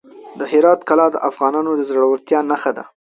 د هرات کلا د افغانانو د زړورتیا نښه ده.